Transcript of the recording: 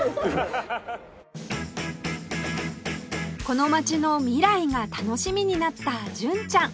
この街の未来が楽しみになった純ちゃん